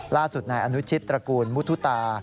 ล่าสุดนายอนุชิตตระกูลมุทุตา